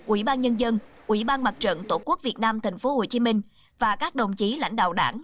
ủy ban nhân dân ủy ban mặt trận tổ quốc việt nam tp hcm và các đồng chí lãnh đạo đảng